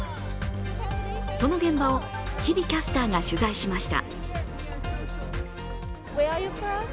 その現場を日比キャスターが取材しました。